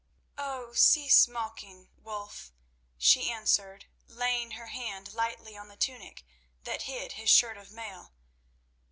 "Oh, cease mocking, Wulf," she answered, laying her hand lightly on the tunic that hid his shirt of mail.